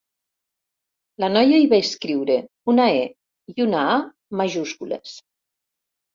La noia hi va escriure una E i una A majúscules.